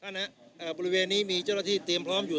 ก๋มาเอ่อตอนนี้เอ่อบริเวณนี้มีเจ้าหน้าที่เต็มพร้อมอยู่